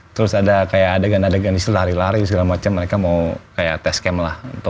terus ada kayak adegan adegan itu lari lari segala macam mereka mau kayak test camp lah